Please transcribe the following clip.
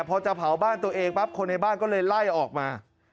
พอจะเผาบ้านตัวเองปั๊บคนในบ้านก็เลยไล่ออกมา